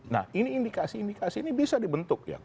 nah ini indikasi indikasi ini bisa dibentuk ya